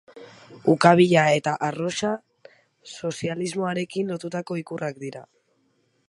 Ukabila eta arrosa, sozialismoarekin lotutako ikurrak dira.